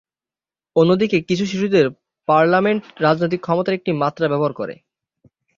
অন্যদিকে, কিছু শিশুদের পার্লামেন্ট রাজনৈতিক ক্ষমতার একটি মাত্রা ব্যবহার করে।